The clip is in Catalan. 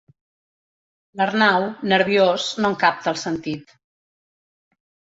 L'Arnau, nerviós, no en capta el sentit.